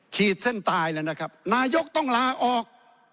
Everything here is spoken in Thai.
ขีดเส้นตายแล้วนะครับนายกต้องลาออก